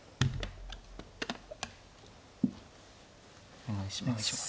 お願いします。